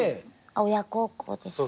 親孝行ですね。